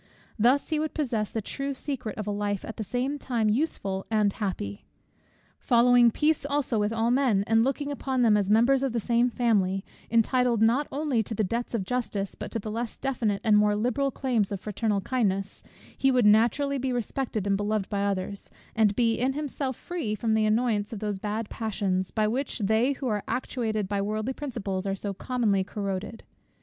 Thus he would possess the true secret of a life at the same time useful and happy. Following peace also with all men, and looking upon them as members of the same family, entitled not only to the debts of justice, but to the less definite and more liberal claims of fraternal kindness; he would naturally be respected and beloved by others, and be in himself free from the annoyance of those bad passions, by which they who are actuated by worldly principles are so commonly corroded.